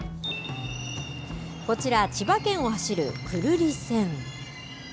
こちら、千葉県を走る久留里線。